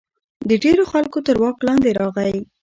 د ډېرو خلکو تر واک لاندې راغی.